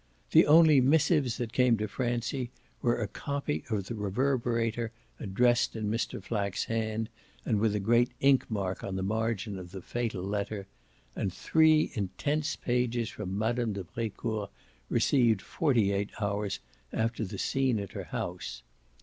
The only missives that came to Francie were a copy of the Reverberator, addressed in Mr. Flack's hand and with a great inkmark on the margin of the fatal letter, and three intense pages from Mme. de Brecourt, received forty eight hours after the scene at her house.